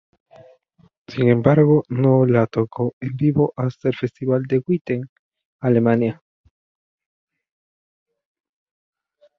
Sin embargo, no la tocó en vivo hasta el festival de Witten, Alemania.